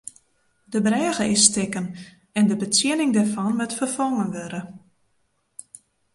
De brêge is stikken en de betsjinning dêrfan moat ferfongen wurde.